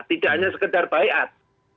tidak hanya sekedar baiat